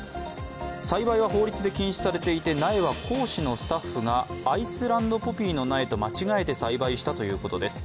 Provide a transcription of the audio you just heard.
栽培は法律で禁止されていて苗は講師のスタッフが、アイスランドポピーの苗と間違えて栽培したということです。